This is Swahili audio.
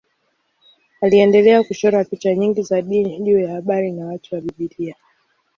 Aliendelea kuchora picha nyingi za dini juu ya habari na watu wa Biblia.